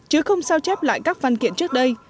chứ không sao chép lại các văn kiện trước đây